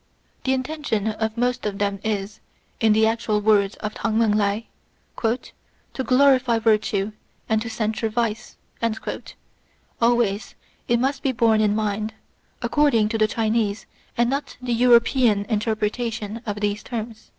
The intention of most of them is, in the actual words of T'ang Meng lai, "to glorify virtue and to cen sure vice," always, it must be borne in mind, according to the Chinese and not to a European interpretation of these terms.